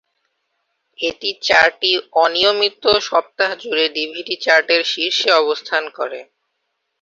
এটি চারটি অনিয়মিত সপ্তাহ জুড়ে ডিভিডি চার্টের শীর্ষে অবস্থান করে।